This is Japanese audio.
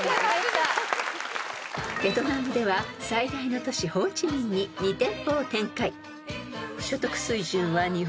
［ベトナムでは最大の都市ホーチミンに２店舗を展開］